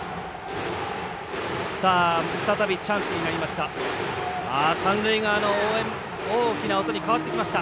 再びチャンスになりました。